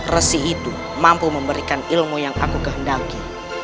resi itu mampu memberikan ilmu yang aku kehendaki